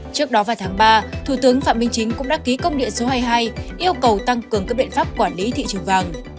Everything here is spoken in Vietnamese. trước đó vào tháng ba thủ tướng phạm minh chính cũng đã ký công điện số hai mươi hai yêu cầu tăng cường các biện pháp quản lý thị trường vàng